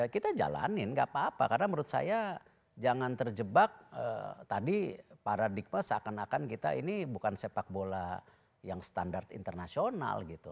kita jalanin gak apa apa karena menurut saya jangan terjebak tadi paradigma seakan akan kita ini bukan sepak bola yang standar internasional gitu